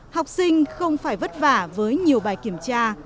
học sinh không phải vất vả với nhiều bài kiểm tra